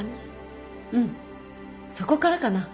うんそこからかな